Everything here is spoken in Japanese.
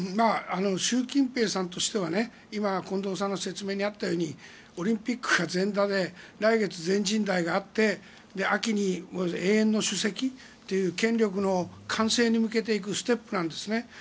習近平さんとしては今、近藤さんの説明にあったようにオリンピックが前座で来月、全人代があって秋に永遠の主席という権力の完成に向けていくステップなんですね。